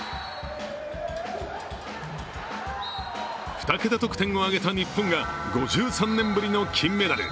２桁得点を挙げた日本が５３年ぶりの金メダル。